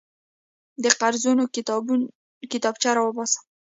د قرضونو کتابچه راوباسه.